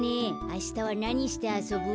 あしたはなにしてあそぶ？